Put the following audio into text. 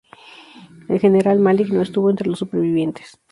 El general Malik no estuvo entre los supervivientes.